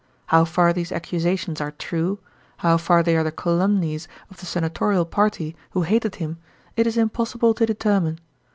How far these accusations are true, how far they are the calumnies of the senatorial party, who hated him, it is impossible to determine.